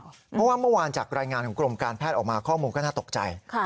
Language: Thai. เพราะว่าเมื่อวานจากรายงานของกรมการแพทย์ออกมาข้อมูลก็น่าตกใจ